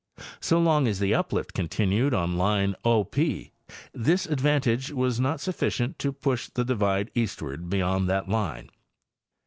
So long as the uplift continued on the line O P this advantage was not suffi cient to push the divide eastward beyond that line.